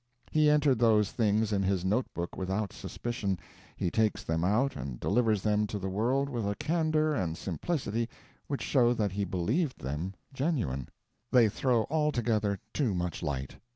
He entered those things in his note book without suspicion, he takes them out and delivers them to the world with a candor and simplicity which show that he believed them genuine. They throw altogether too much light.